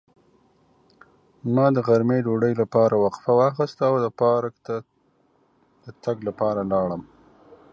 ما د غرمې ډوډۍ لپاره وقفه واخیسته او پارک ته د تګ لپاره لاړم.